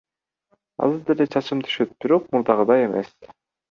Азыр деле чачым түшөт, бирок мурдагыдай эмес.